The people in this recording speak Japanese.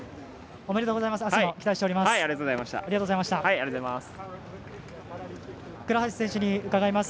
おめでとうございます。